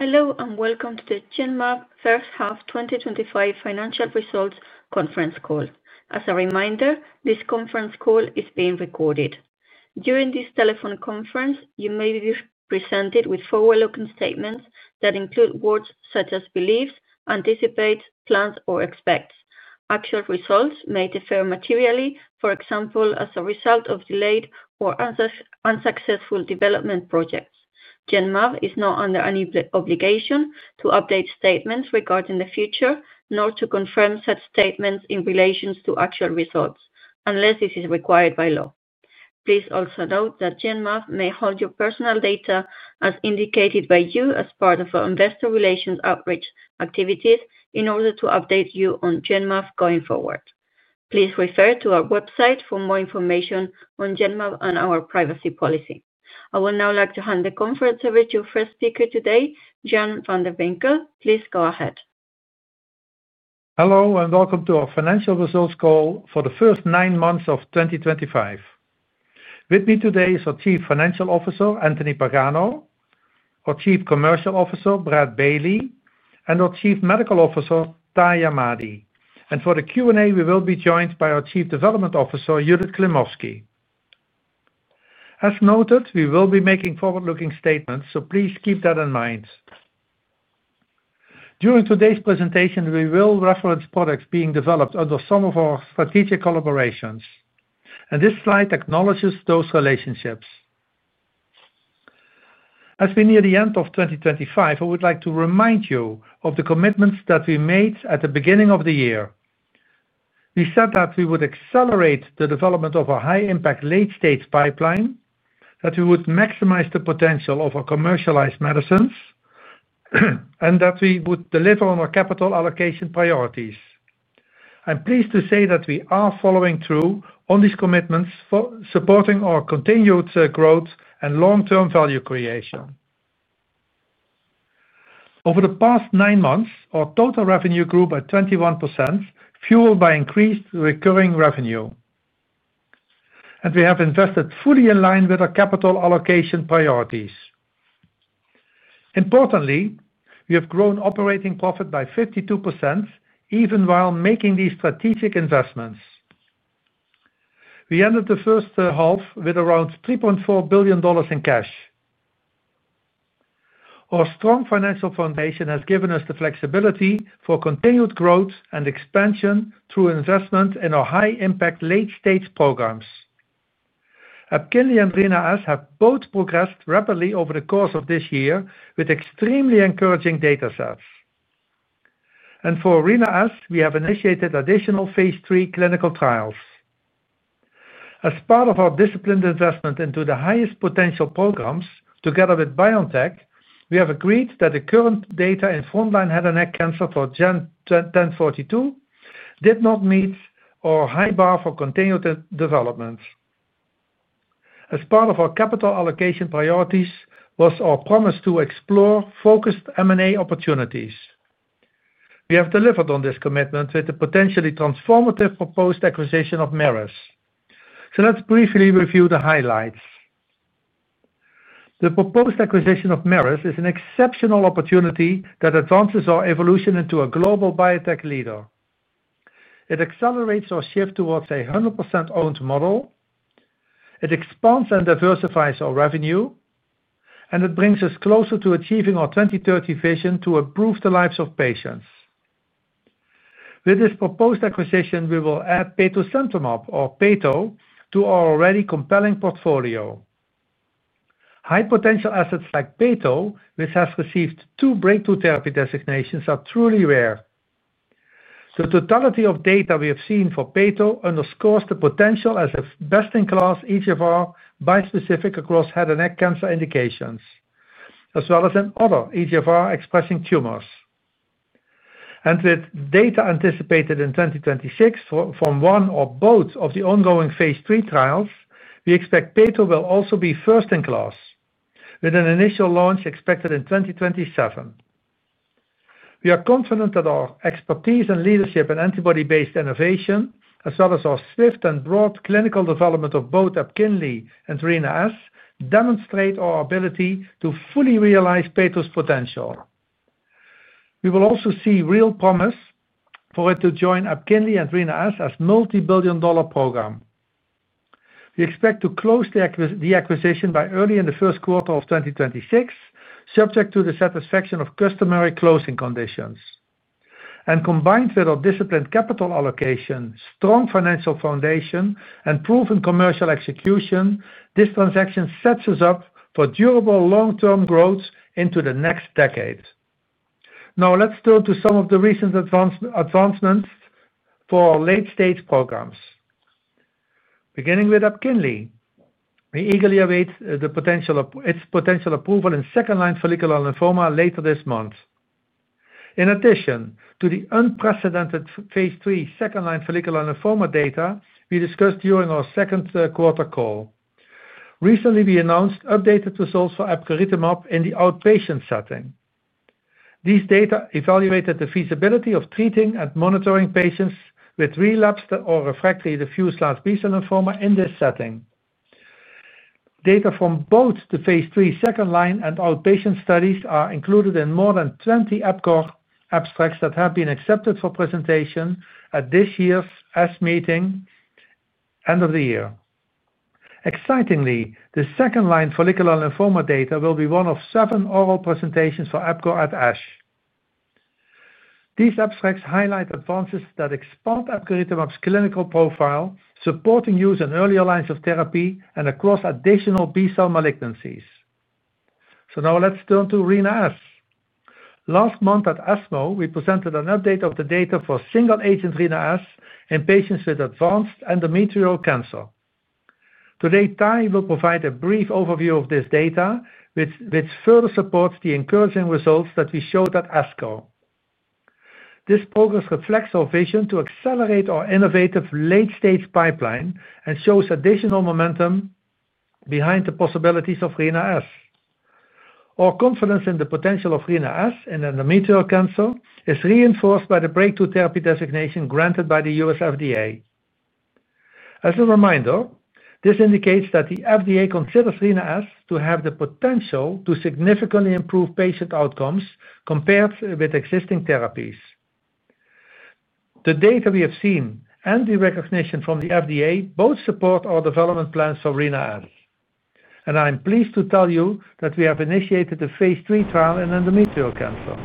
Hello and welcome to the Genmab first half 2025 financial results conference call. As a reminder, this conference call is being recorded. During this telephone conference, you may be presented with forward-looking statements that include words such as believes, anticipates, plans, or expects. Actual results may differ materially, for example, as a result of delayed or unsuccessful development projects. Genmab is not under any obligation to update statements regarding the future, nor to confirm such statements in relation to actual results, unless this is required by law. Please also note that Genmab may hold your personal data as indicated by you as part of our investor relations outreach activities in order to update you on Genmab going forward. Please refer to our website for more information on Genmab and our privacy policy. I would now like to hand the conference over to your first speaker today, Jan van de Winkel. Please go ahead. Hello and welcome to our financial results call for the first nine months of 2025. With me today is our Chief Financial Officer, Anthony Pagano. Our Chief Commercial Officer, Brad Bailey, and our Chief Medical Officer, Tahamtan Ahmadi. For the Q&A, we will be joined by our Chief Development Officer, Judith Klimovsky. As noted, we will be making forward-looking statements, so please keep that in mind. During today's presentation, we will reference products being developed under some of our strategic collaborations, and this slide acknowledges those relationships. As we near the end of 2025, I would like to remind you of the commitments that we made at the beginning of the year. We said that we would accelerate the development of our high-impact late-stage pipeline, that we would maximize the potential of our commercialized medicines, and that we would deliver on our capital allocation priorities. I'm pleased to say that we are following through on these commitments for supporting our continued growth and long-term value creation. Over the past nine months, our total revenue grew by 21%, fueled by increased recurring revenue. We have invested fully in line with our capital allocation priorities. Importantly, we have grown operating profit by 52%, even while making these strategic investments. We ended the first half with around $3.4 billion in cash. Our strong financial foundation has given us the flexibility for continued growth and expansion through investment in our high-impact late-stage programs. Epkinly and rinatabart sesutecan have both progressed rapidly over the course of this year with extremely encouraging data sets. For rinatabart sesutecan, we have initiated additional phase III clinical trials. As part of our disciplined investment into the highest potential programs, together with BioNTech, we have agreed that the current data in frontline head and neck cancer for GEN 1042 did not meet our high bar for continued development. As part of our capital allocation priorities, was our promise to explore focused M&A opportunities. We have delivered on this commitment with the potentially transformative proposed acquisition of Merus. Let's briefly review the highlights. The proposed acquisition of Merus is an exceptional opportunity that advances our evolution into a global biotech leader. It accelerates our shift towards a 100% owned model. It expands and diversifies our revenue, and it brings us closer to achieving our 2030 vision to improve the lives of patients. With this proposed acquisition, we will add Petosemtamab, or Peto, to our already compelling portfolio. High-potential assets like Petosemtamab, which has received two breakthrough therapy designations, are truly rare. The totality of data we have seen for Petosemtamab underscores the potential as a best-in-class EGFR bispecific across head and neck cancer indications, as well as in other EGFR-expressing tumors. With data anticipated in 2026 from one or both of the ongoing phase III trials, we expect Petosemtamab will also be first-in-class, with an initial launch expected in 2027. We are confident that our expertise and leadership in antibody-based innovation, as well as our swift and broad clinical development of both Epkinly and rinatabart sesutecan, demonstrate our ability to fully realize Petosemtamab's potential. We also see real promise for it to join Epkinly and rinatabart sesutecan as a multi-billion dollar program. We expect to close the acquisition by early in the first quarter of 2026, subject to the satisfaction of customary closing conditions. Combined with our disciplined capital allocation, strong financial foundation, and proven commercial execution, this transaction sets us up for durable long-term growth into the next decade. Now, let's turn to some of the recent advancements for our late-stage programs. Beginning with Epkinly, we eagerly await its potential approval in second-line follicular lymphoma later this month. In addition to the unprecedented phase III second-line follicular lymphoma data we discussed during our second quarter call. Recently, we announced updated results for Epkinly in the outpatient setting. These data evaluated the feasibility of treating and monitoring patients with relapsed or refractory diffuse large B-cell lymphoma in this setting. Data from both the phase III second-line and outpatient studies are included in more than 20 Epkinly abstracts that have been accepted for presentation at this year's ASH meeting. End of the year. Excitingly, the second-line follicular lymphoma data will be one of seven oral presentations for Epkinly at ASH. These abstracts highlight advances that expand Epkinly's clinical profile, supporting use in earlier lines of therapy and across additional B-cell malignancies. Now let's turn to rinatabart sesutecan. Last month at ESMO, we presented an update of the data for single-agent rinatabart sesutecan in patients with advanced endometrial cancer. Today, Tahamtan Ahmadi will provide a brief overview of this data, which further supports the encouraging results that we showed at ASCO. This progress reflects our vision to accelerate our innovative late-stage pipeline and shows additional momentum behind the possibilities of rinatabart sesutecan. Our confidence in the potential of rinatabart sesutecan in endometrial cancer is reinforced by the breakthrough therapy designation granted by the U.S. FDA. As a reminder, this indicates that the FDA considers rinatabart sesutecan to have the potential to significantly improve patient outcomes compared with existing therapies. The data we have seen and the recognition from the FDA both support our development plans for rinatabart sesutecan. I'm pleased to tell you that we have initiated the phase III trial in endometrial cancer.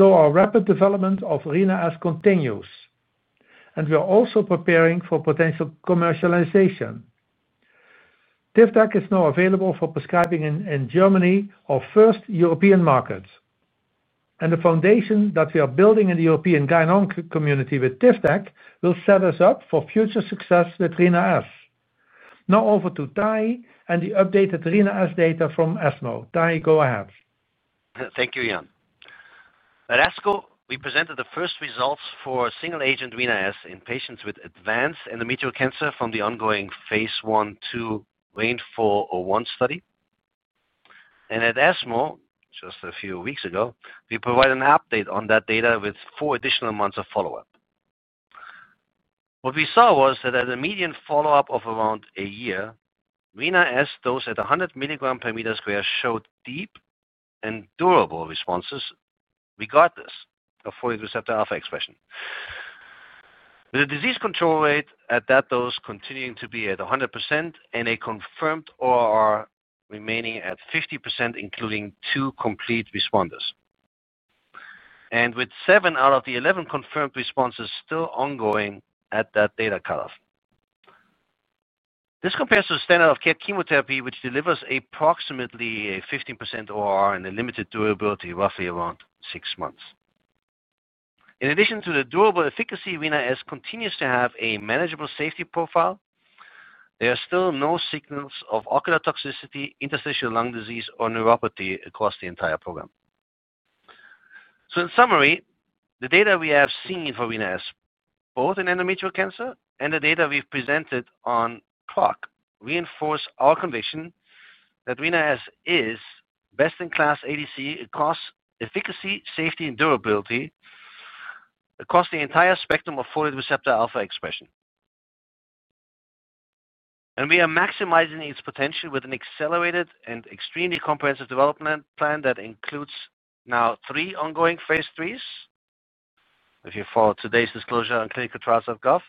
Our rapid development of rinatabart sesutecan continues. We are also preparing for potential commercialization. TIVDAK is now available for prescribing in Germany, our first European markets. The foundation that we are building in the European guideline community with TIVDAK will set us up for future success with rinatabart sesutecan. Now over to Tahamtan Ahmadi and the updated rinatabart sesutecan data from ESMO. Tahamtan, go ahead. Thank you, Jan. At ASCO, we presented the first results for single-agent rinatabart sesutecan in patients with advanced endometrial cancer from the ongoing phase I, II, RINA 41 study. At ESMO, just a few weeks ago, we provided an update on that data with four additional months of follow-up. What we saw was that at a median follow-up of around a year, rinatabart sesutecan dosed at 100 mg per m² showed deep and durable responses regardless of folate receptor alpha expression. With a disease control rate at that dose continuing to be at 100% and a confirmed ORR remaining at 50%, including two complete responders. With seven out of the 11 confirmed responses still ongoing at that data cutoff. This compares to the standard of care chemotherapy, which delivers approximately 15% ORR and a limited durability, roughly around six months. In addition to the durable efficacy, rinatabart sesutecan continues to have a manageable safety profile. There are still no signals of ocular toxicity, interstitial lung disease, or neuropathy across the entire program. In summary, the data we have seen for rinatabart sesutecan, both in endometrial cancer and the data we have presented on platinum-resistant ovarian cancer, reinforce our conviction that rinatabart sesutecan is best-in-class ADC across efficacy, safety, and durability across the entire spectrum of folate receptor alpha expression. We are maximizing its potential with an accelerated and extremely comprehensive development plan that includes now three ongoing phase IIIs, if you follow today's disclosure on clinicaltrials.gov,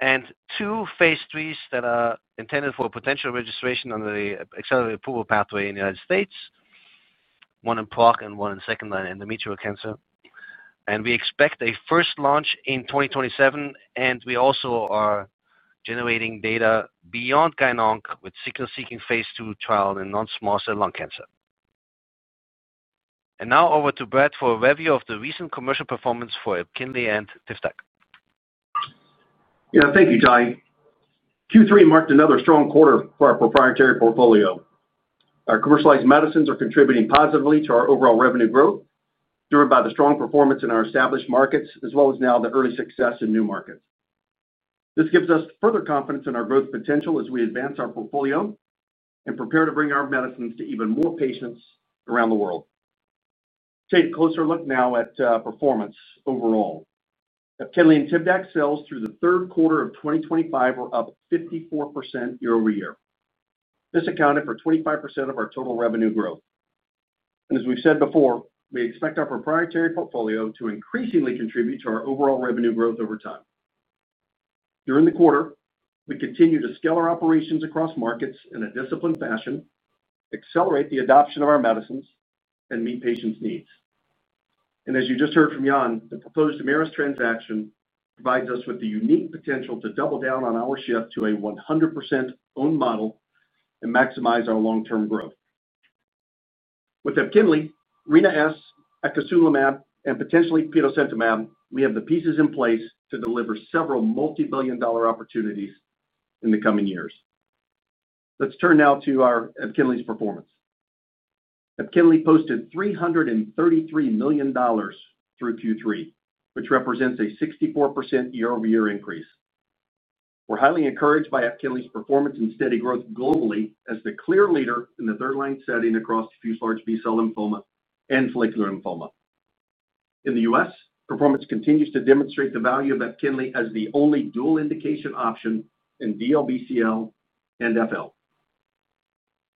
and two phase IIIs that are intended for potential registration under the accelerated approval pathway in the United States, one in platinum-resistant ovarian cancer and one in second-line endometrial cancer. We expect a first launch in 2027, and we also are generating data beyond guidelines with sequence-seeking phase II trial in non-small cell lung cancer. Now over to Brad for a review of the recent commercial performance for Epkinly and TIVDAK. Yeah, thank you, Tahamtan. Q3 marked another strong quarter for our proprietary portfolio. Our commercialized medicines are contributing positively to our overall revenue growth, driven by the strong performance in our established markets, as well as now the early success in new markets. This gives us further confidence in our growth potential as we advance our portfolio and prepare to bring our medicines to even more patients around the world. Take a closer look now at performance overall. Epkinly and TIVDAK sales through the third quarter of 2025 were up 54% year-over-year. This accounted for 25% of our total revenue growth. As we have said before, we expect our proprietary portfolio to increasingly contribute to our overall revenue growth over time. During the quarter, we continue to scale our operations across markets in a disciplined fashion, accelerate the adoption of our medicines, and meet patients' needs. As you just heard from Jan, the proposed Merus transaction provides us with the unique potential to double down on our shift to a 100% owned model and maximize our long-term growth. With Epkinly, rinatabart sesutecan, acasunlimab, and potentially petosemtamab, we have the pieces in place to deliver several multi-billion dollar opportunities in the coming years. Let's turn now to our Epkinly's performance. Epkinly posted $333 million through Q3, which represents a 64% year-over-year increase. We're highly encouraged by Epkinly's performance and steady growth globally as the clear leader in the third-line setting across diffuse large B-cell lymphoma and follicular lymphoma. In the U.S., performance continues to demonstrate the value of Epkinly as the only dual indication option in DLBCL and FL.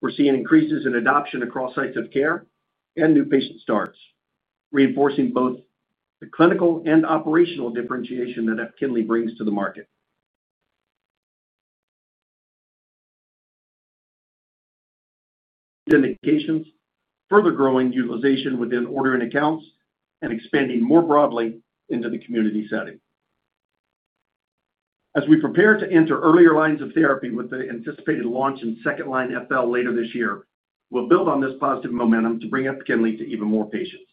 We're seeing increases in adoption across sites of care and new patient starts, reinforcing both the clinical and operational differentiation that Epkinly brings to the market. Indications, further growing utilization within ordering accounts and expanding more broadly into the community setting. As we prepare to enter earlier lines of therapy with the anticipated launch in second-line FL later this year, we'll build on this positive momentum to bring Epkinly to even more patients.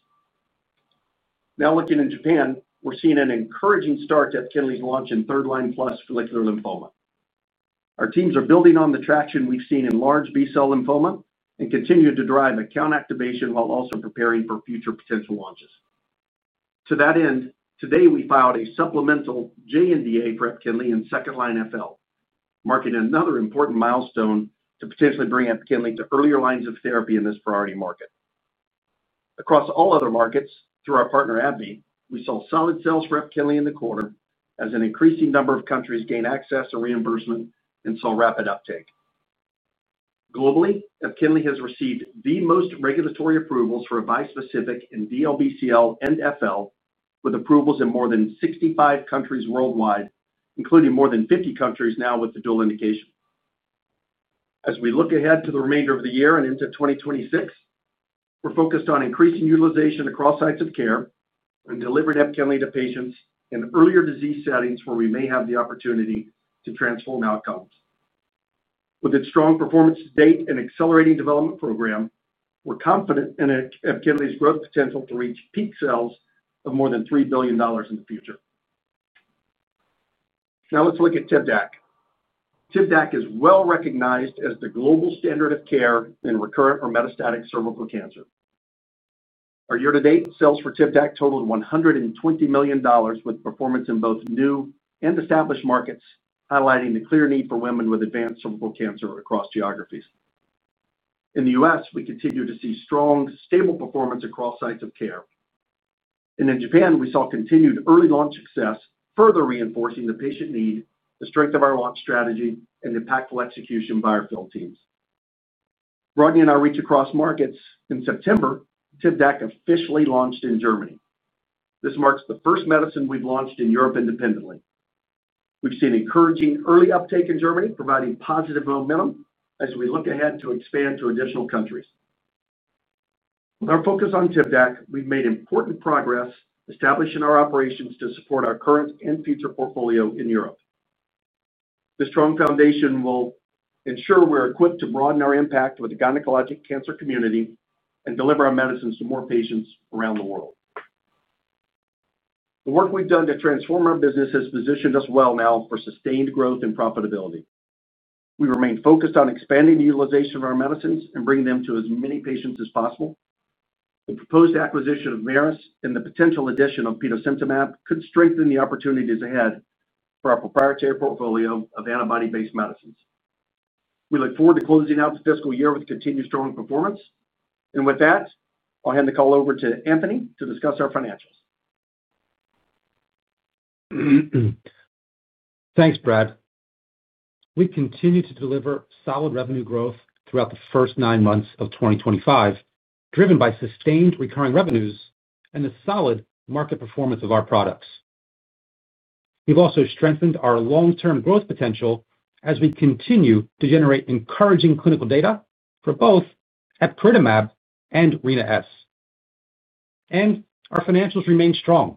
Now looking in Japan, we're seeing an encouraging start to Epkinly's launch in third-line plus follicular lymphoma. Our teams are building on the traction we've seen in large B-cell lymphoma and continue to drive account activation while also preparing for future potential launches. To that end, today we filed a supplemental JNDA for Epkinly in second-line FL, marking another important milestone to potentially bring Epkinly to earlier lines of therapy in this priority market. Across all other markets, through our partner AbbVie, we saw solid sales for Epkinly in the quarter as an increasing number of countries gain access to reimbursement and saw rapid uptake. Globally, Epkinly has received the most regulatory approvals for a bispecific in DLBCL and FL, with approvals in more than 65 countries worldwide, including more than 50 countries now with the dual indication. As we look ahead to the remainder of the year and into 2026, we're focused on increasing utilization across sites of care and delivering Epkinly to patients in earlier disease settings where we may have the opportunity to transform outcomes. With its strong performance to date and accelerating development program, we're confident in Epkinly's growth potential to reach peak sales of more than $3 billion in the future. Now let's look at TIVDAK. TIVDAK is well recognized as the global standard of care in recurrent or metastatic cervical cancer. Our year-to-date sales for TIVDAK totaled $120 million, with performance in both new and established markets, highlighting the clear need for women with advanced cervical cancer across geographies. In the U.S., we continue to see strong, stable performance across sites of care. In Japan, we saw continued early launch success, further reinforcing the patient need, the strength of our launch strategy, and impactful execution by our field teams. Broadening our reach across markets, in September, TIVDAK officially launched in Germany. This marks the first medicine we've launched in Europe independently. We've seen encouraging early uptake in Germany, providing positive momentum as we look ahead to expand to additional countries. With our focus on TIVDAK, we've made important progress establishing our operations to support our current and future portfolio in Europe. This strong foundation will ensure we're equipped to broaden our impact with the gynecologic cancer community and deliver our medicines to more patients around the world. The work we've done to transform our business has positioned us well now for sustained growth and profitability. We remain focused on expanding the utilization of our medicines and bringing them to as many patients as possible. The proposed acquisition of Merus and the potential addition of Petosemtamab could strengthen the opportunities ahead for our proprietary portfolio of antibody-based medicines. We look forward to closing out the fiscal year with continued strong performance. With that, I'll hand the call over to Anthony to discuss our financials. Thanks, Brad. We continue to deliver solid revenue growth throughout the first nine months of 2025, driven by sustained recurring revenues and the solid market performance of our products. We've also strengthened our long-term growth potential as we continue to generate encouraging clinical data for both Epkinly and rinatabart sesutecan. Our financials remain strong.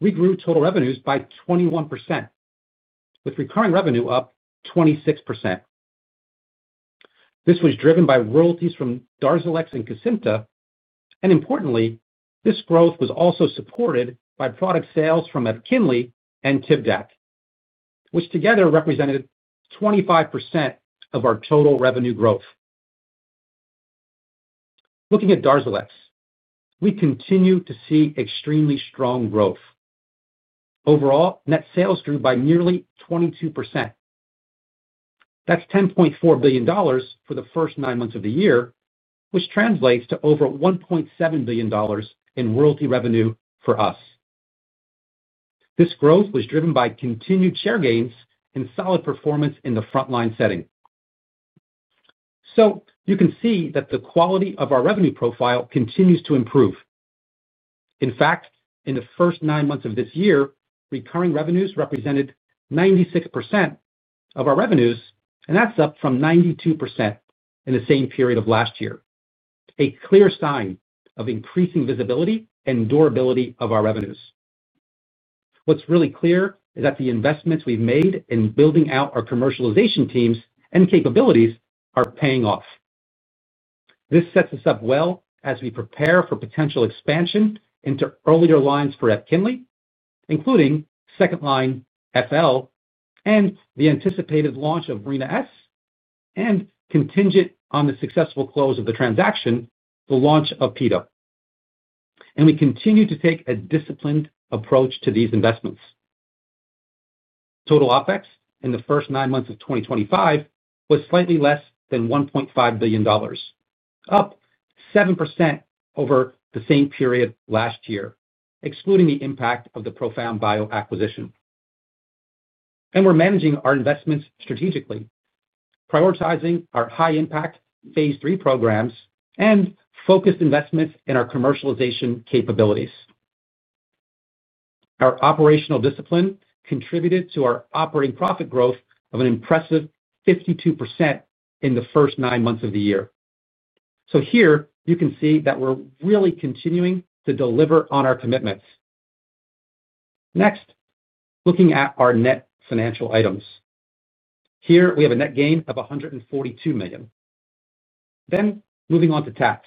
We grew total revenues by 21%, with recurring revenue up 26%. This was driven by royalties from Darzalex and Kesimpta. Importantly, this growth was also supported by product sales from Epkinly and Tivdak, which together represented 25% of our total revenue growth. Looking at Darzalex, we continue to see extremely strong growth. Overall, net sales grew by nearly 22%. That's $10.4 billion for the first nine months of the year, which translates to over $1.7 billion in royalty revenue for us. This growth was driven by continued share gains and solid performance in the front-line setting. You can see that the quality of our revenue profile continues to improve. In fact, in the first nine months of this year, recurring revenues represented 96% of our revenues, and that's up from 92% in the same period of last year. A clear sign of increasing visibility and durability of our revenues. What is really clear is that the investments we've made in building out our commercialization teams and capabilities are paying off. This sets us up well as we prepare for potential expansion into earlier lines for Epkinly, including second-line FL and the anticipated launch of Rinatabart sesutecan, and contingent on the successful close of the transaction, the launch of Petosemtamab. We continue to take a disciplined approach to these investments. Total OpEx in the first nine months of 2025 was slightly less than $1.5 billion, up 7% over the same period last year, excluding the impact of the ProfoundBio acquisition. We are managing our investments strategically, prioritizing our high-impact phase III programs and focused investments in our commercialization capabilities. Our operational discipline contributed to our operating profit growth of an impressive 52% in the first nine months of the year. You can see that we are really continuing to deliver on our commitments. Next, looking at our net financial items. Here, we have a net gain of $142 million. Moving on to tax,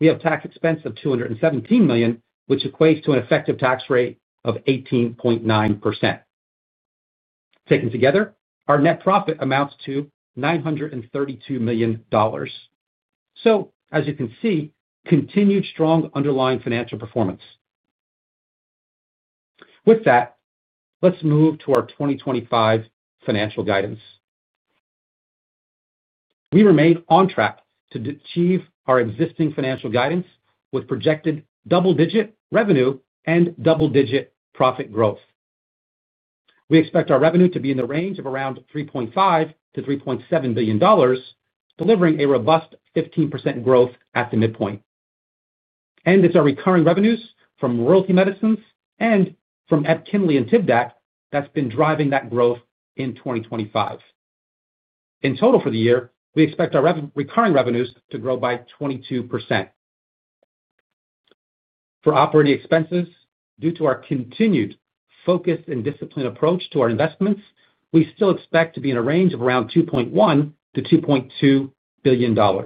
we have tax expense of $217 million, which equates to an effective tax rate of 18.9%. Taken together, our net profit amounts to $932 million. You can see continued strong underlying financial performance. With that, let's move to our 2025 financial guidance. We remain on track to achieve our existing financial guidance with projected double-digit revenue and double-digit profit growth. We expect our revenue to be in the range of around $3.5 billion-$3.7 billion, delivering a robust 15% growth at the midpoint. It is our recurring revenues from royalty medicines and from Epkinly and TIVDAK that have been driving that growth in 2025. In total for the year, we expect our recurring revenues to grow by 22%. For operating expenses, due to our continued focused and disciplined approach to our investments, we still expect to be in a range of around $2.1 billion-$2.2 billion.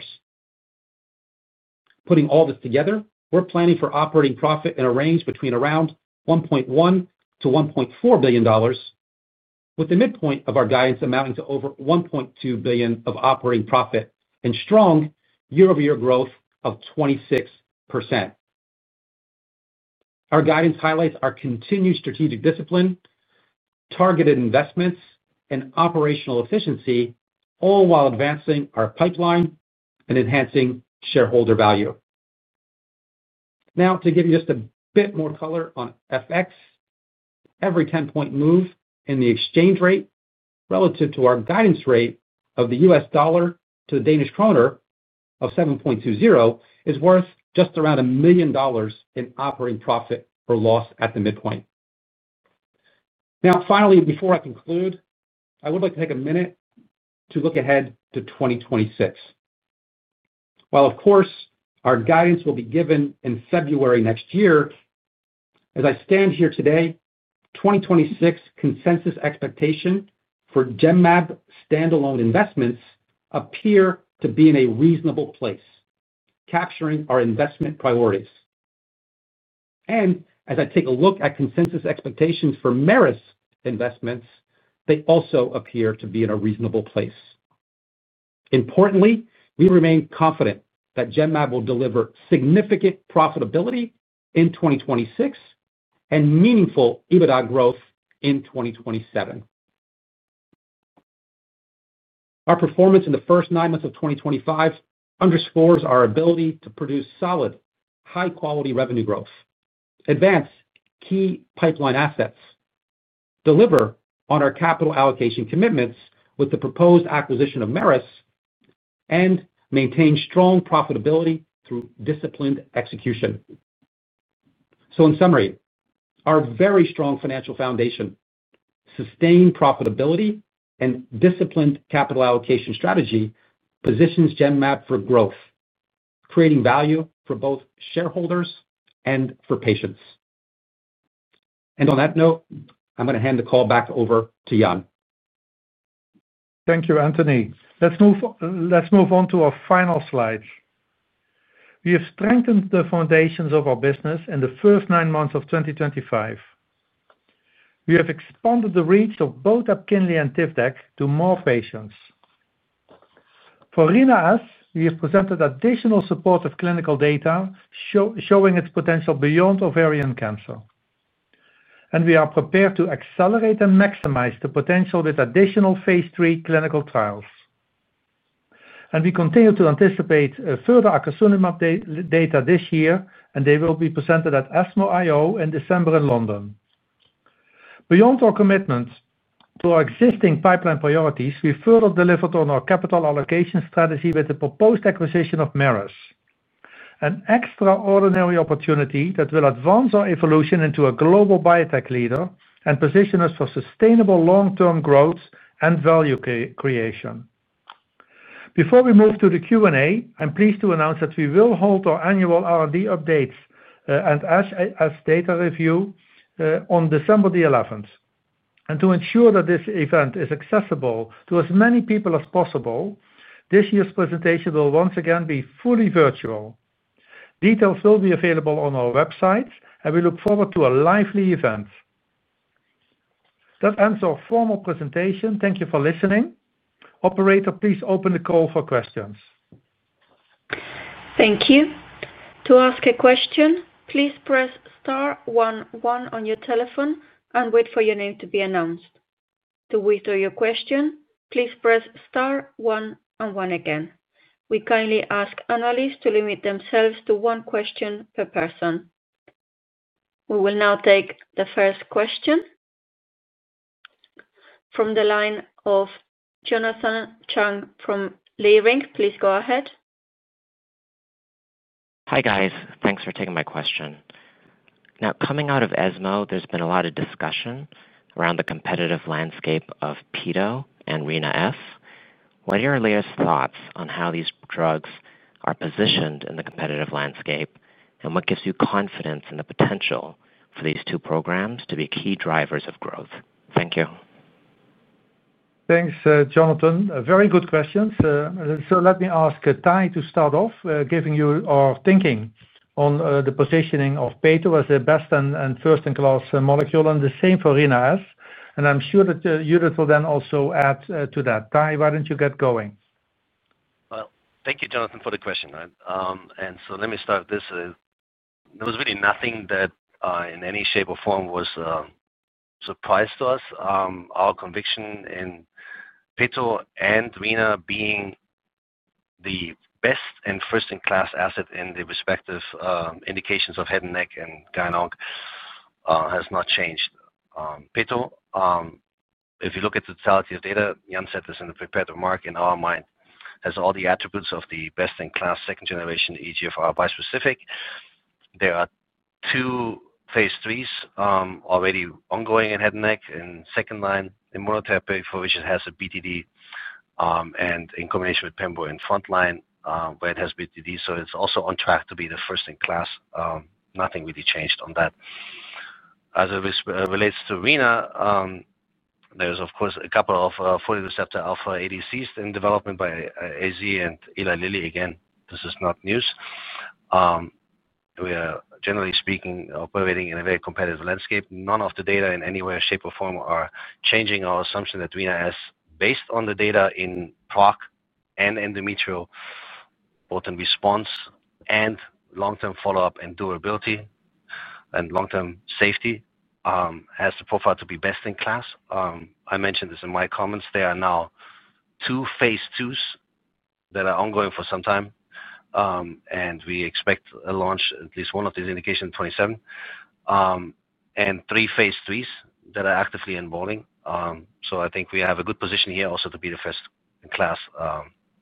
Putting all this together, we are planning for operating profit in a range between around $1.1 billion-$1.4 billion. With the midpoint of our guidance amounting to over $1.2 billion of operating profit and strong year-over-year growth of 26%. Our guidance highlights our continued strategic discipline. Targeted investments, and operational efficiency, all while advancing our pipeline and enhancing shareholder value. Now, to give you just a bit more color on FX. Every 10-point move in the exchange rate relative to our guidance rate of the U.S. dollar to the Danish krone of 7.20 is worth just around $1 million in operating profit or loss at the midpoint. Now, finally, before I conclude, I would like to take a minute to look ahead to 2026. While, of course, our guidance will be given in February next year, as I stand here today, 2026 consensus expectation for Genmab standalone investments appear to be in a reasonable place, capturing our investment priorities. As I take a look at consensus expectations for Merus investments, they also appear to be in a reasonable place. Importantly, we remain confident that Genmab will deliver significant profitability in 2026 and meaningful EBITDA growth in 2027. Our performance in the first nine months of 2025 underscores our ability to produce solid, high-quality revenue growth, advance key pipeline assets, deliver on our capital allocation commitments with the proposed acquisition of Merus, and maintain strong profitability through disciplined execution. In summary, our very strong financial foundation, sustained profitability, and disciplined capital allocation strategy positions Genmab for growth, creating value for both shareholders and for patients. On that note, I'm going to hand the call back over to Jan. Thank you, Anthony. Let's move on to our final slides. We have strengthened the foundations of our business in the first nine months of 2025. We have expanded the reach of both Epkinly and TIVDAK to more patients. For Rinatabart sesutecan, we have presented additional supportive clinical data, showing its potential beyond ovarian cancer. We are prepared to accelerate and maximize the potential with additional phase III clinical trials. We continue to anticipate further acosulimab data this year, and they will be presented at ESMO IO in December in London. Beyond our commitment to our existing pipeline priorities, we further delivered on our capital allocation strategy with the proposed acquisition of Merus, an extraordinary opportunity that will advance our evolution into a global biotech leader and position us for sustainable long-term growth and value creation. Before we move to the Q&A, I'm pleased to announce that we will hold our annual R&D updates and data review on December the 11th. To ensure that this event is accessible to as many people as possible, this year's presentation will once again be fully virtual. Details will be available on our website, and we look forward to a lively event. That ends our formal presentation. Thank you for listening. Operator, please open the call for questions. Thank you. To ask a question, please press star one one on your telephone and wait for your name to be announced. To withdraw your question, please press star one one again. We kindly ask analysts to limit themselves to one question per person. We will now take the first question. From the line of Jonathan Chang from Leerink, please go ahead. Hi guys. Thanks for taking my question. Now, coming out of ESMO, there's been a lot of discussion around the competitive landscape of Petosemtamab and Rinatabart sesutecan. What are your latest thoughts on how these drugs are positioned in the competitive landscape, and what gives you confidence in the potential for these two programs to be key drivers of growth? Thank you. Thanks, Jonathan. Very good questions. Let me ask Ty to start off, giving you our thinking on the positioning of Pito as the best and first-in-class molecule, and the same for Rinatabart sesutecan. I am sure that you will then also add to that. Ty, why do you not get going? Thank you, Jonathan, for the question. Let me start this. There was really nothing that in any shape or form was a surprise to us. Our conviction in Pito and RINA being the best and first-in-class asset in the respective indications of head and neck and gynecologic has not changed. Pito, if you look at the totality of data, Jan said this in a prepared remark, in our mind, has all the attributes of the best-in-class second-generation EGFR bispecific. There are two phase IIIs already ongoing in head and neck and second line immunotherapy for which it has a BTD, and in combination with Pembo in front line where it has BTD, so it is also on track to be the first-in-class. Nothing really changed on that. As it relates to RINA, there is, of course, a couple of folate receptor alpha ADCs in development by AstraZeneca and Eli Lilly. Again, this is not news. We are, generally speaking, operating in a very competitive landscape. None of the data in any way, shape, or form are changing our assumption that rinatabart sesutecan, based on the data in PROC and endometrial. Both in response and long-term follow-up and durability and long-term safety, has the profile to be best in class. I mentioned this in my comments. There are now two phase IIs that are ongoing for some time. We expect a launch, at least one of these indications, in 2027. There are three phase IIIs that are actively enrolling. I think we have a good position here also to be the first-in-class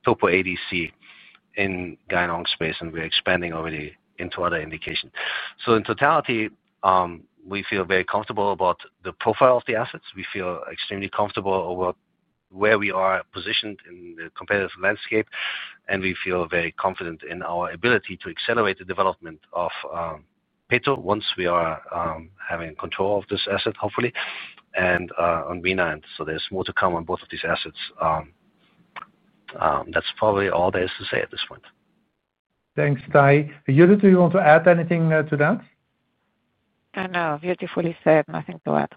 topo ADC in gynecologic space, and we are expanding already into other indications. In totality, we feel very comfortable about the profile of the assets. We feel extremely comfortable about where we are positioned in the competitive landscape, and we feel very confident in our ability to accelerate the development of Petosemtamab once we are having control of this asset, hopefully, and on Rinatabart sesutecan. So there's more to come on both of these assets. That's probably all there is to say at this point. Thanks, Ty. Judith, do you want to add anything to that? No, beautifully said. Nothing to add.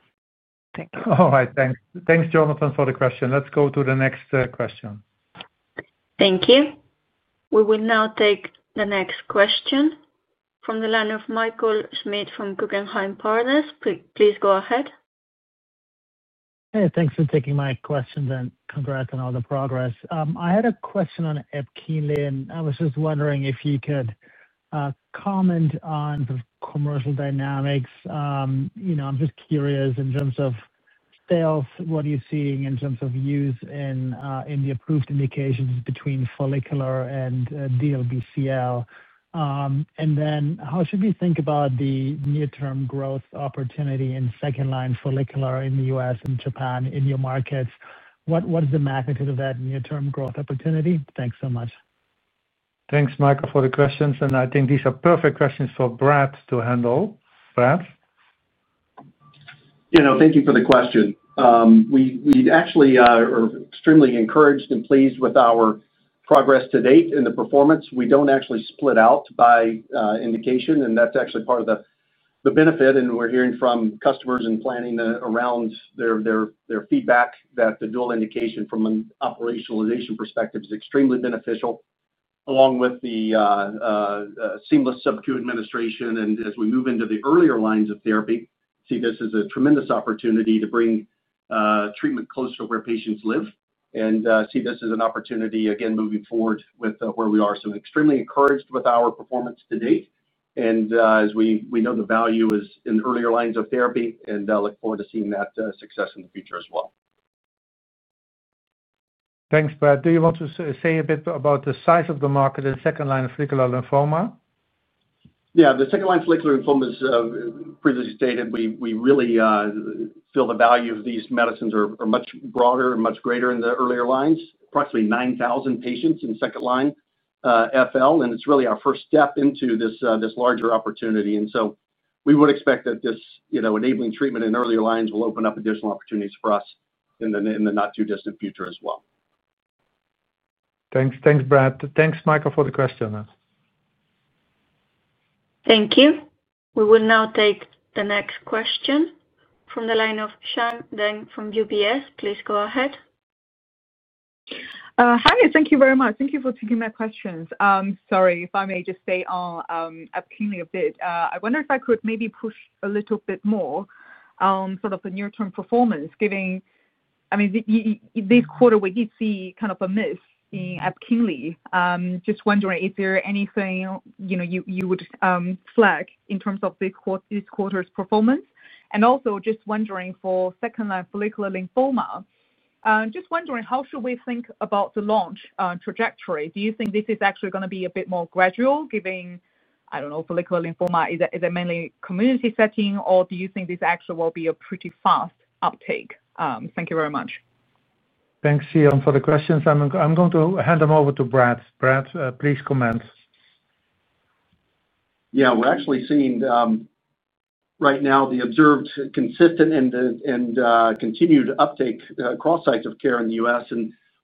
Thank you. All right. Thanks, Jonathan, for the question. Let's go to the next question. Thank you. We will now take the next question from the line of Michael Schmidt from Guggenheim Partners. Please go ahead. Hey, thanks for taking my question and congrats on all the progress. I had a question on Epkinly. I was just wondering if you could comment on the commercial dynamics. I'm just curious in terms of sales, what are you seeing in terms of use in the approved indications between follicular and DLBCL? How should we think about the near-term growth opportunity in second-line follicular in the U.S. and Japan in your markets? What is the magnitude of that near-term growth opportunity? Thanks so much. Thanks, Michael, for the questions. I think these are perfect questions for Brad to handle. Brad? Thank you for the question. We actually are extremely encouraged and pleased with our progress to date and the performance. We do not actually split out by indication, and that is actually part of the benefit. We are hearing from customers and planning around their feedback that the dual indication from an operationalization perspective is extremely beneficial, along with the seamless subcutaneous administration. As we move into the earlier lines of therapy, this is a tremendous opportunity to bring treatment close to where patients live. This is an opportunity, again, moving forward with where we are. We are extremely encouraged with our performance to date. As we know, the value is in the earlier lines of therapy, and I look forward to seeing that success in the future as well. Thanks, Brad. Do you want to say a bit about the size of the market in second-line follicular lymphoma? Yeah, the second-line follicular lymphoma, as previously stated, we really feel the value of these medicines are much broader and much greater in the earlier lines. Approximately 9,000 patients in second-line FL. It is really our first step into this larger opportunity. We would expect that this enabling treatment in earlier lines will open up additional opportunities for us in the not-too-distant future as well. Thanks, Brad. Thanks, Michael, for the question. Thank you. We will now take the next question from the line of Shan Zhang from UBS. Please go ahead. Hi, thank you very much. Thank you for taking my questions. Sorry, if I may just say on Epkinly a bit, I wonder if I could maybe push a little bit more. Sort of the near-term performance, I mean, this quarter, we did see kind of a miss in Epkinly. Just wondering, is there anything you would flag in terms of this quarter's performance? Also just wondering for second-line follicular lymphoma, just wondering, how should we think about the launch trajectory? Do you think this is actually going to be a bit more gradual, I don't know, follicular lymphoma? Is it mainly community setting, or do you think this actually will be a pretty fast uptake? Thank you very much. Thanks, Shan, for the questions. I'm going to hand them over to Brad. Brad, please comment. Yeah, we're actually seeing. Right now, the observed consistent and continued uptake across sites of care in the U.S.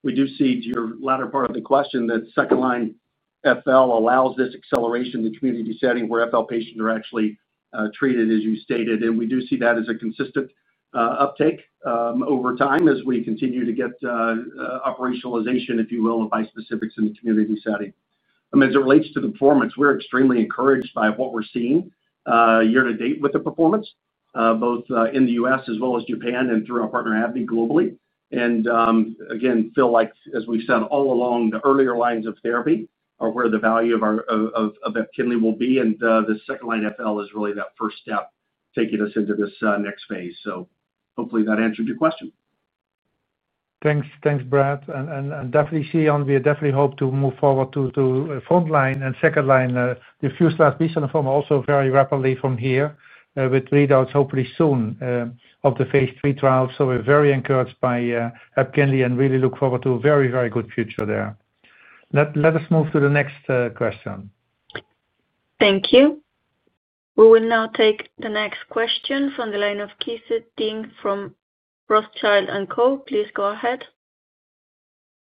We do see, to your latter part of the question, that second-line FL allows this acceleration in the community setting where FL patients are actually treated, as you stated. We do see that as a consistent uptake over time as we continue to get operationalization, if you will, of bispecifics in the community setting. As it relates to the performance, we're extremely encouraged by what we're seeing year to date with the performance, both in the U.S. as well as Japan and through our partner AbbVie globally. Again, feel like, as we've said all along, the earlier lines of therapy are where the value of Epkinly will be. The second-line FL is really that first step taking us into this next phase. Hopefully that answered your question. Thanks, Brad. Shan, we definitely hope to move forward to front line and second-line. The first-line follicular lymphoma also very rapidly from here with readouts, hopefully soon, of the phase III trials. We are very encouraged by Epkinly and really look forward to a very, very good future there. Let us move to the next question. Thank you. We will now take the next question from the line of Qize Ding from Rothschild & Co. Please go ahead.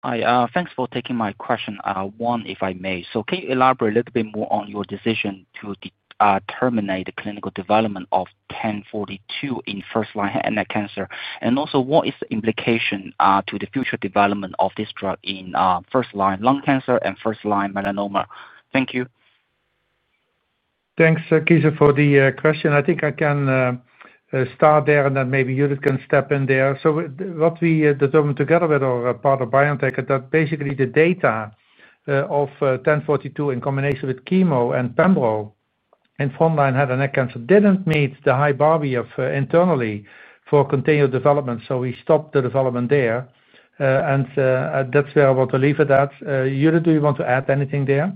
Hi, thanks for taking my question. One, if I may, can you elaborate a little bit more on your decision to terminate the clinical development of 1042 in first-line head and neck cancer? Also, what is the implication to the future development of this drug in first-line lung cancer and first-line melanoma? Thank you. Thanks, Qize, for the question. I think I can start there and then maybe Judith can step in there. What we determined together with our partner, BioNTech, is that basically the data of 1042 in combination with chemo and Pembo in front line head and neck cancer did not meet the high bar we have internally for continued development. We stopped the development there. That is where I want to leave it at. Judith, do you want to add anything there?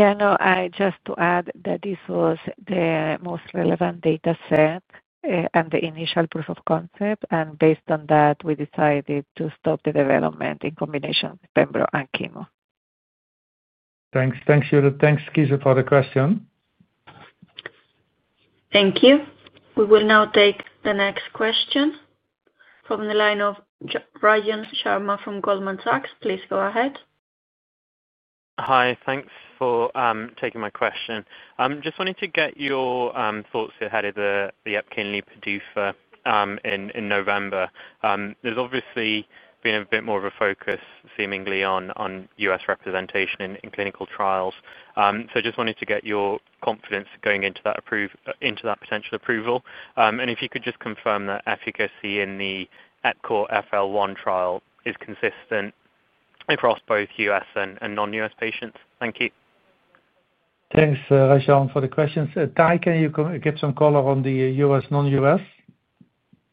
Yeah, no, I just to add that this was the most relevant data set and the initial proof of concept. Based on that, we decided to stop the development in combination with Pembo and chemo. Thanks. Thanks, Judith. Thanks, Qize, for the question. Thank you. We will now take the next question. From the line of Rajan Sharma from Goldman Sachs. Please go ahead. Hi, thanks for taking my question. I'm just wanting to get your thoughts ahead of the Epkinly PDUFA in November. There's obviously been a bit more of a focus seemingly on U.S. representation in clinical trials. Just wanted to get your confidence going into that potential approval. If you could just confirm that efficacy in the EPCORE FL-1 trial is consistent across both U.S. and non-U.S. patients. Thank you. Thanks, Rajan Sharma, for the questions. Ty, can you give some color on the U.S./non-U.S.?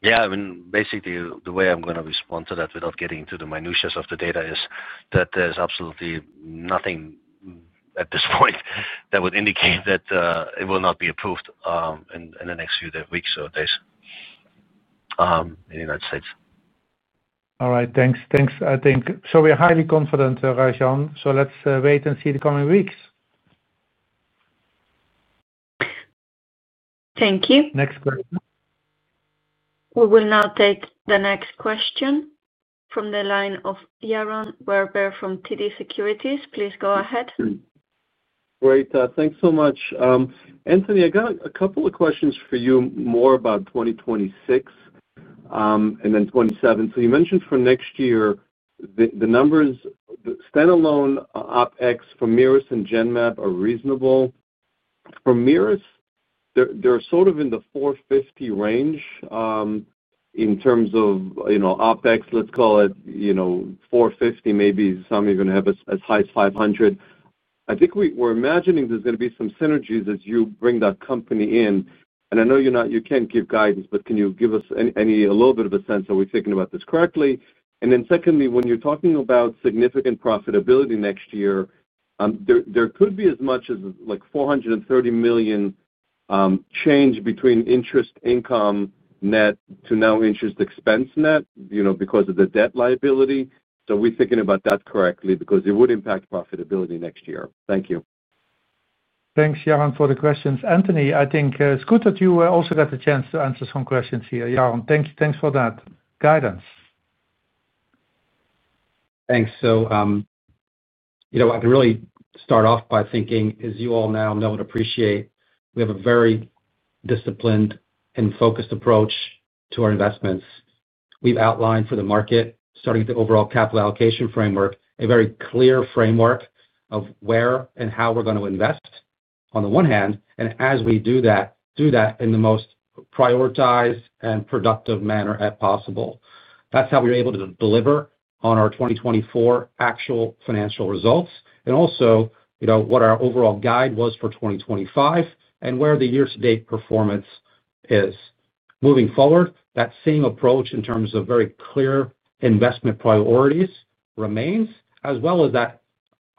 Yeah, I mean, basically, the way I'm going to respond to that without getting into the minutiae of the data is that there's absolutely nothing at this point that would indicate that it will not be approved in the next few weeks or days in the United States. All right, thanks. I think we are highly confident, Rajan Sharma. Let's wait and see the coming weeks. Thank you. Next question. We will now take the next question from the line of Yaron Werber from TD Securities. Please go ahead. Great. Thanks so much. Anthony, I got a couple of questions for you more about 2026 and then 2027. You mentioned for next year, the numbers, standalone OpEx for Merus and Genmab are reasonable. For Merus, they're sort of in the 450 range in terms of OpEx, let's call it. 450, maybe some even have as high as 500. I think we're imagining there's going to be some synergies as you bring that company in. I know you can't give guidance, but can you give us a little bit of a sense? Are we thinking about this correctly? Secondly, when you're talking about significant profitability next year, there could be as much as $430 million change between interest income net to now interest expense net because of the debt liability. Are we thinking about that correctly? Because it would impact profitability next year. Thank you. Thanks, Yaron, for the questions. Anthony, I think it's good that you also got the chance to answer some questions here. Yaron, thanks for that guidance. Thanks. I can really start off by thinking, as you all now know and appreciate, we have a very disciplined and focused approach to our investments. We have outlined for the market, starting at the overall capital allocation framework, a very clear framework of where and how we are going to invest on the one hand. As we do that, we do that in the most prioritized and productive manner as possible. That is how we are able to deliver on our 2024 actual financial results and also what our overall guide was for 2025 and where the year-to-date performance is. Moving forward, that same approach in terms of very clear investment priorities remains, as well as that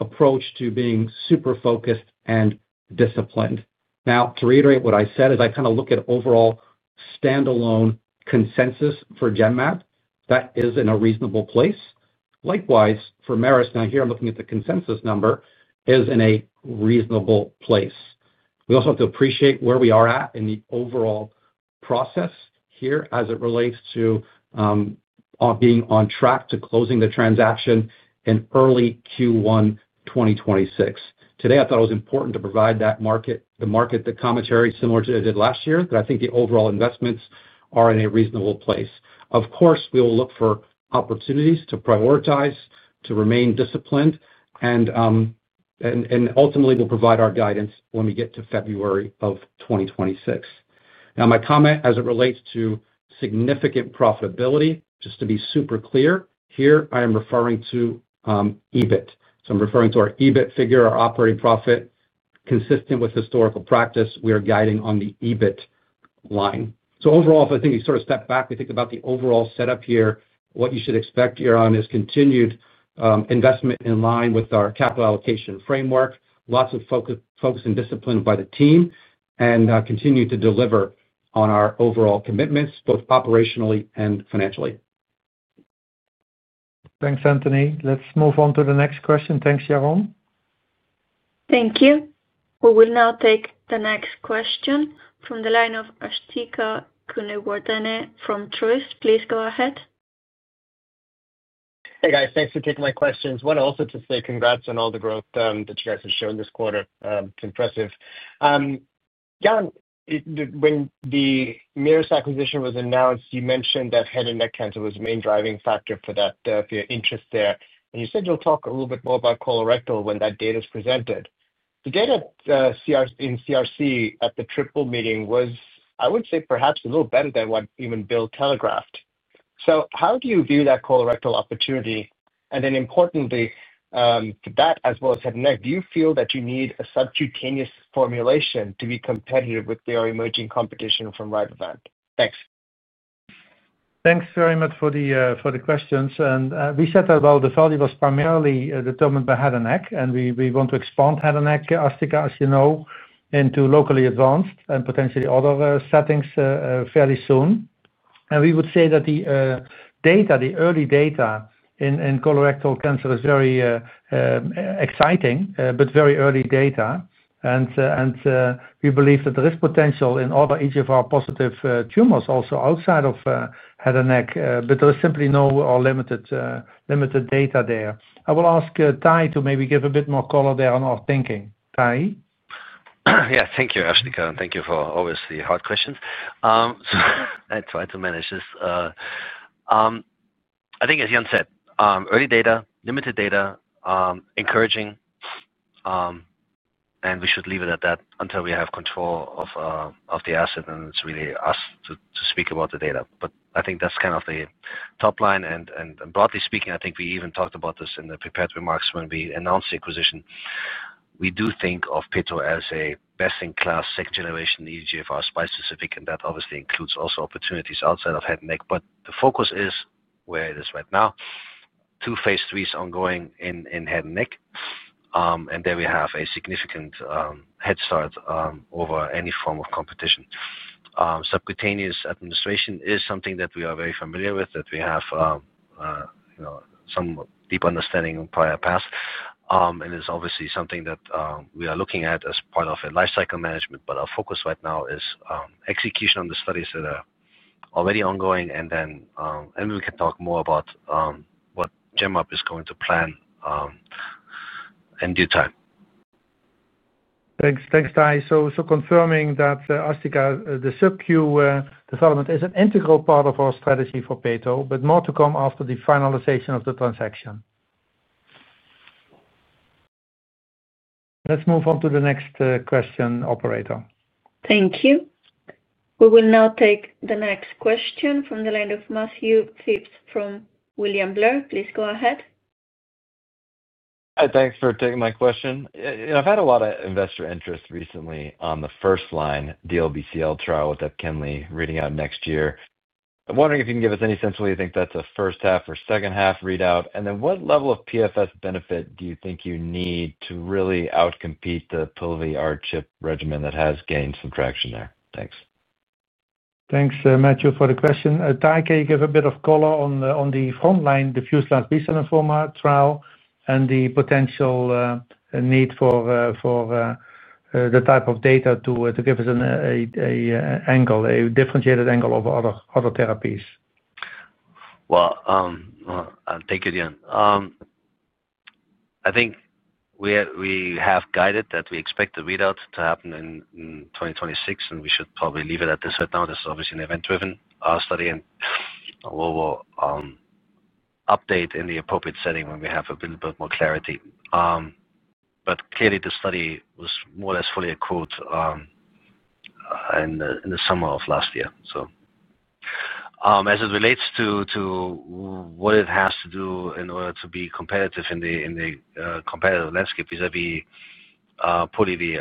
approach to being super focused and disciplined. Now, to reiterate what I said, as I kind of look at overall standalone consensus for Genmab, that is in a reasonable place. Likewise, for MIRIS, now here, I'm looking at the consensus number, is in a reasonable place. We also have to appreciate where we are at in the overall process here as it relates to being on track to closing the transaction in early Q1 2026. Today, I thought it was important to provide the market the commentary similar to what I did last year, that I think the overall investments are in a reasonable place. Of course, we will look for opportunities to prioritize, to remain disciplined, and ultimately will provide our guidance when we get to February of 2026. Now, my comment as it relates to significant profitability, just to be super clear, here, I am referring to EBIT. So I'm referring to our EBIT figure, our operating profit, consistent with historical practice. We are guiding on the EBIT line. Overall, if I think we sort of step back, we think about the overall setup here, what you should expect here on is continued investment in line with our capital allocation framework, lots of focus and discipline by the team, and continue to deliver on our overall commitments, both operationally and financially. Thanks, Anthony. Let's move on to the next question. Thanks, Yaron. Thank you. We will now take the next question from the line of Asthika Goonewardene from Truist. Please go ahead. Hey, guys. Thanks for taking my questions. I want to also just say congrats on all the growth that you guys have shown this quarter. It's impressive. Yaron, when the Merus acquisition was announced, you mentioned that head and neck cancer was the main driving factor for that interest there. You said you'll talk a little bit more about colorectal when that data is presented. The data in CRC at the TRIPLE meeting was, I would say, perhaps a little better than what even Bill telegraphed. How do you view that colorectal opportunity? Importantly, to that, as well as head and neck, do you feel that you need a subcutaneous formulation to be competitive with the emerging competition from Rivalvent? Thanks. Thanks very much for the questions. We said that while the study was primarily determined by head and neck, and we want to expand head and neck, Asthika, as you know, into locally advanced and potentially other settings fairly soon. We would say that the data, the early data in colorectal cancer is very exciting, but very early data. We believe that there is potential in all of EGFR-positive tumors also outside of head and neck, but there is simply no limited data there. I will ask Ty to maybe give a bit more color there on our thinking. Ty? Yeah, thank you, Asthika, and thank you for obviously hard questions. I think, as Jan said, early data, limited data, encouraging. We should leave it at that until we have control of the asset, and it's really us to speak about the data. I think that's kind of the top line. Broadly speaking, I think we even talked about this in the prepared remarks when we announced the acquisition. We do think of Petosemtamab as a best-in-class second-generation EGFR bispecific, and that obviously includes also opportunities outside of head and neck. The focus is where it is right now. Two phase IIIs ongoing in head and neck. There we have a significant head start over any form of competition. Subcutaneous administration is something that we are very familiar with, that we have some deep understanding of prior past. It is obviously something that we are looking at as part of a lifecycle management. Our focus right now is execution on the studies that are already ongoing, and then we can talk more about what Genmab is going to plan in due time. Thanks, Ty. Confirming that, Asthika, the subQ development is an integral part of our strategy for Petosemtamab, but more to come after the finalization of the transaction. Let's move on to the next question, operator. Thank you. We will now take the next question from the line of Matthew Phipps from William Blair. Please go ahead. Hi, thanks for taking my question. I've had a lot of investor interest recently on the first-line DLBCL trial with Epkinly reading out next year. I'm wondering if you can give us any sense why you think that's a first-half or second-half readout. What level of PFS benefit do you think you need to really outcompete the Pola-R-CHP regimen that has gained some traction there? Thanks. Thanks, Matthew, for the question. Ty, can you give a bit of color on the front line, the first-line fecal and form trial, and the potential need for the type of data to give us a differentiated angle over other therapies? Thank you again. I think we have guided that we expect the readouts to happen in 2026, and we should probably leave it at this right now. This is obviously an event-driven study, and we will update in the appropriate setting when we have a bit more clarity. Clearly, the study was more or less fully accrued in the summer of last year. As it relates to what it has to do in order to be competitive in the competitive landscape, we pull the,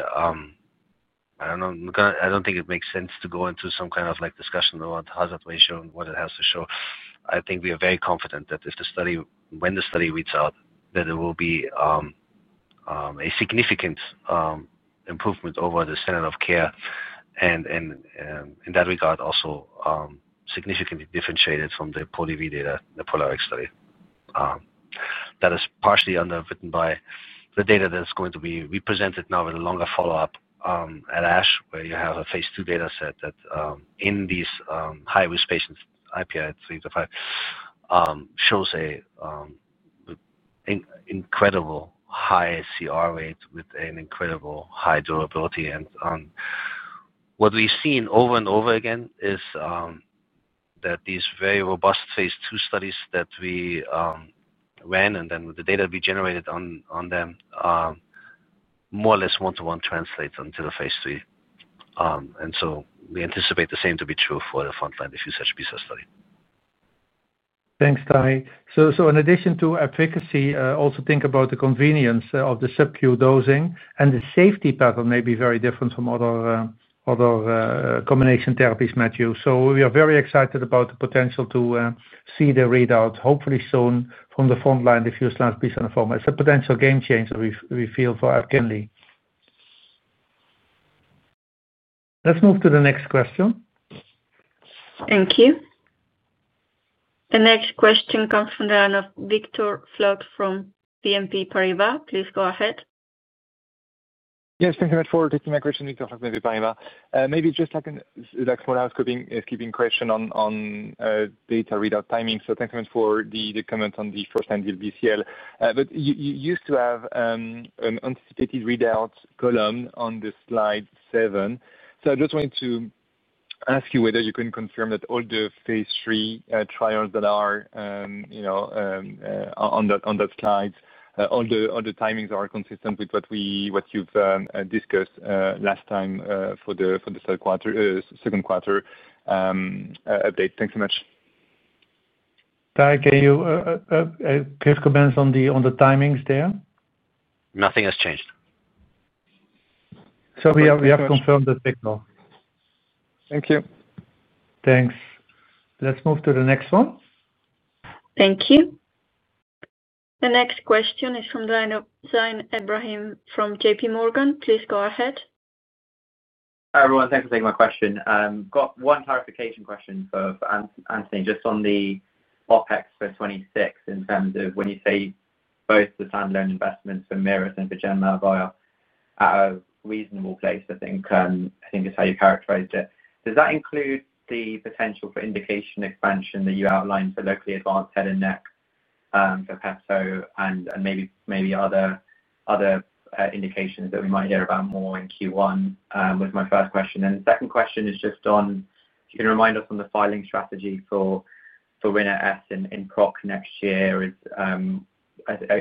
I don't know. I don't think it makes sense to go into some kind of discussion about hazard ratio and what it has to show. I think we are very confident that when the study reads out, there will be a significant improvement over the standard of care and in that regard, also. Significantly differentiated from the Polivy data, the PoliRx study. That is partially underwritten by the data that's going to be represented now with a longer follow-up at ASH, where you have a phase II data set that in these high-risk patients, IPI at 3-5, shows an incredible high CR rate with an incredible high durability. What we've seen over and over again is that these very robust phase II studies that we ran and then with the data we generated on them more or less one-to-one translates into the phase III. We anticipate the same to be true for the front line diffuse HBCR study. Thanks, Ty. In addition to efficacy, also think about the convenience of the subQ dosing and the safety pattern may be very different from other combination therapies, Matthew. We are very excited about the potential to see the readouts, hopefully soon, from the frontline diffuse large B-cell lymphoma form. It's a potential game changer we feel for Epkinly. Let's move to the next question. Thank you. The next question comes from the line of Victor Floc'h from BNP Paribas. Please go ahead. Yes, thank you for taking my question. Victor Flood from BNP Paribas. Maybe just like an outskipping question on data readout timing. Thanks so much for the comment on the first-line DLBCL. You used to have an anticipated readout column on slide seven. I just wanted to ask you whether you can confirm that all the phase III trials that are on that slide, all the timings are consistent with what you've discussed last time for the second quarter update. Thanks so much. Ty, can you give comments on the timings there? Nothing has changed. We have confirmed the signal. Thank you. Thanks. Let's move to the next one. Thank you. The next question is from the line of Zain Ebrahim from JPMorgan. Please go ahead. Hi, everyone. Thanks for taking my question. I've got one clarification question for Anthony, just on the OpEx for 2026 in terms of when you say both the standalone investments for MIRIS and for Genmab are at a reasonable place, I think is how you characterized it. Does that include the potential for indication expansion that you outlined for locally advanced head and neck? For Petosemtamab and maybe other indications that we might hear about more in Q1 was my first question. The second question is just on, if you can remind us on the filing strategy for Rinatabart sesutecan in PROC next year. I know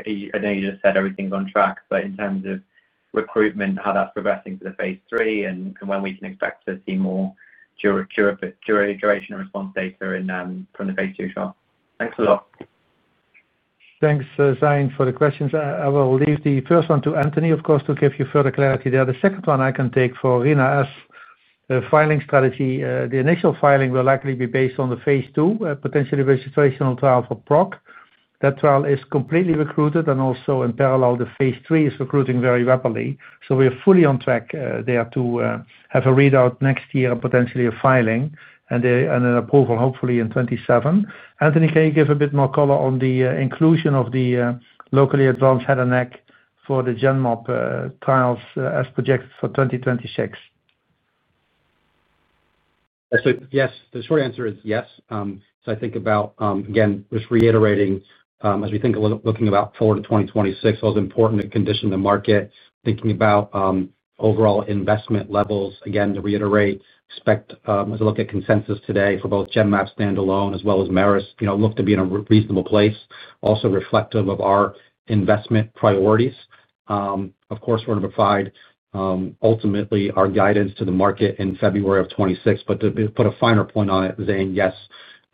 you just said everything's on track, but in terms of recruitment, how that's progressing for the phase III and when we can expect to see more duration and response data from the phase II trial. Thanks a lot. Thanks, Zain, for the questions. I will leave the first one to Anthony, of course, to give you further clarity there. The second one I can take for Winner S filing strategy. The initial filing will likely be based on the phase II, potentially registration trial for Proc. That trial is completely recruited, and also in parallel, the phase III is recruiting very rapidly. We are fully on track there to have a readout next year and potentially a filing and an approval hopefully in 2027. Anthony, can you give a bit more color on the inclusion of the locally advanced head and neck for the Genmab trials as projected for 2026? Yes. The short answer is yes. I think about, again, just reiterating, as we think forward to 2026, it was important to condition the market, thinking about overall investment levels. Again, to reiterate, as I look at consensus today for both Genmab standalone as well as Merus, look to be in a reasonable place, also reflective of our investment priorities. Of course, we are going to provide ultimately our guidance to the market in February of 2026. To put a finer point on it, Zain, yes,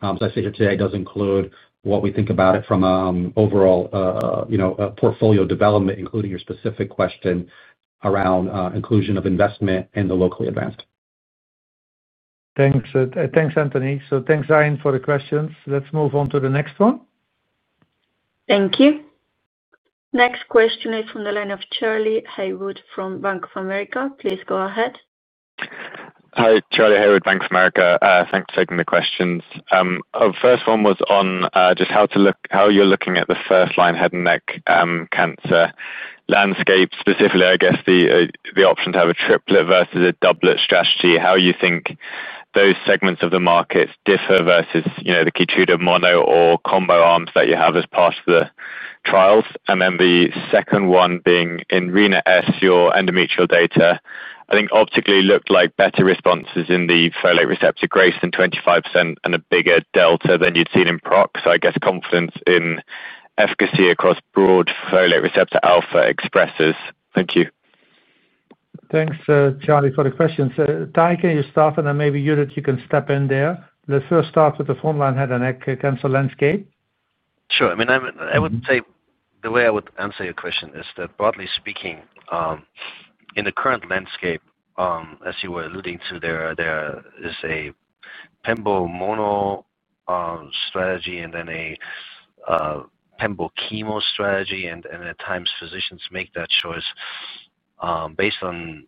as I stated today, does include what we think about it from an overall portfolio development, including your specific question around inclusion of investment in the locally advanced. Thanks. Thanks, Anthony. Thanks, Zain, for the questions. Let's move on to the next one. Thank you. Next question is from the line of Charlie Haywood from Bank of America. Please go ahead. Hi, Charlie Haywood, Bank of America. Thanks for taking the questions. The first one was on just how you're looking at the first-line head and neck cancer landscape, specifically, I guess, the option to have a triplet versus a doublet strategy, how you think those segments of the market differ versus the Keytruda mono or combo arms that you have as part of the trials. The second one being in Winner S, your endometrial data, I think optically looked like better responses in the folate receptor greater than 25% and a bigger delta than you'd seen in Proc. I guess confidence in efficacy across broad folate receptor alpha expressors. Thank you. Thanks, Charlie, for the questions. Ty, can you start, and then maybe Judith, you can step in there. Let's first start with the front line head and neck cancer landscape. Sure. I mean, I would say the way I would answer your question is that, broadly speaking, in the current landscape, as you were alluding to, there is a Pembo mono strategy and then a Pembo chemo strategy. At times, physicians make that choice based on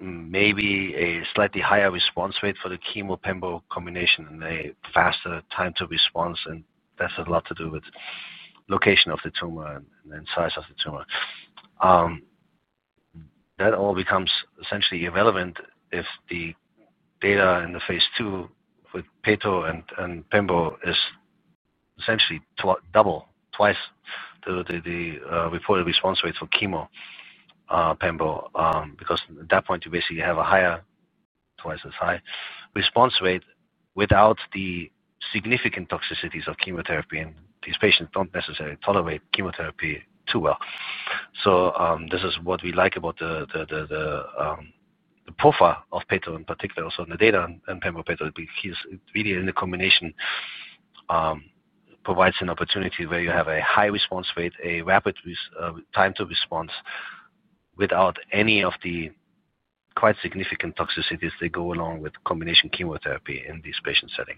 maybe a slightly higher response rate for the chemo Pembo combination and a faster time to response. That has a lot to do with location of the tumor and then size of the tumor. That all becomes essentially irrelevant if the data in the phase II with Pitot and Pembo is essentially double, twice the reported response rate for chemo Pembo because at that point, you basically have a higher, twice as high response rate without the significant toxicities of chemotherapy. These patients do not necessarily tolerate chemotherapy too well. This is what we like about the. Profile of Petosemtamab in particular, also in the data and Pembo Petosemtamab. It really, in the combination, provides an opportunity where you have a high response rate, a rapid time to response without any of the quite significant toxicities that go along with combination chemotherapy in this patient setting.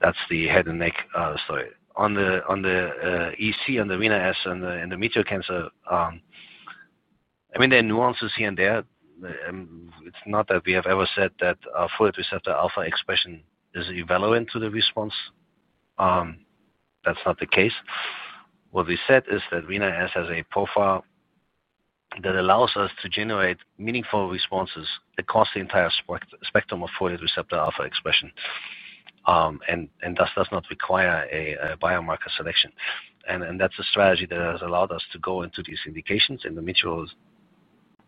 That is the head and neck story. On the EC, on the Rinatabart sesutecan, on the endometrial cancer, I mean, there are nuances here and there. It is not that we have ever said that folate receptor alpha expression is irrelevant to the response. That is not the case. What we said is that Rinatabart sesutecan has a profile that allows us to generate meaningful responses across the entire spectrum of folate receptor alpha expression and thus does not require a biomarker selection. That is a strategy that has allowed us to go into these indications. Endometrial is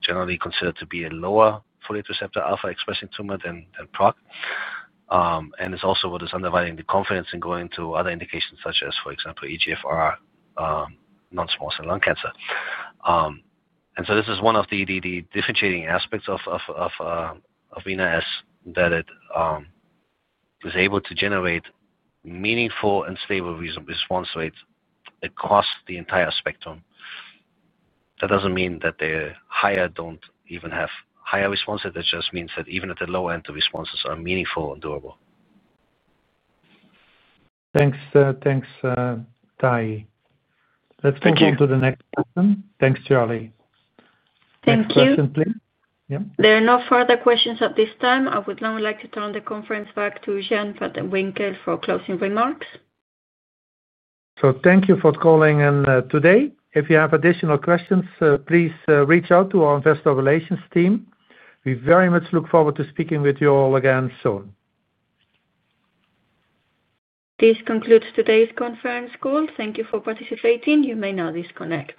generally considered to be a lower folate receptor alpha expressing tumor than Rinatabart sesutecan. It is also what is underlining the confidence in going to other indications such as, for example, EGFR. Non-small cell lung cancer. This is one of the differentiating aspects of Rinatabart sesutecan, that it is able to generate meaningful and stable response rates across the entire spectrum. That does not mean that the higher do not even have higher responses. That just means that even at the low end, the responses are meaningful and durable. Thanks. Thanks, Ty. Let's move on to the next question. Thanks, Charlie. Thank you. Next question, please. Yeah. There are no further questions at this time. I would now like to turn the conference back to Jan van de Winkel for closing remarks. Thank you for calling in today. If you have additional questions, please reach out to our investor relations team. We very much look forward to speaking with you all again soon. This concludes today's conference call. Thank you for participating. You may now disconnect.